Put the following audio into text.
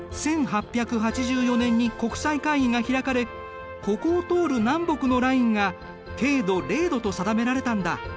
１８８４年に国際会議が開かれここを通る南北のラインが経度０度と定められたんだ。